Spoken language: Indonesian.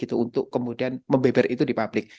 untuk kemudian membeber itu di publik